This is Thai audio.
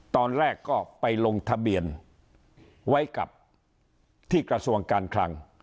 ตอนแรกก็ไปลงทะเบียนไว้กับที่กระทรวงการคลัง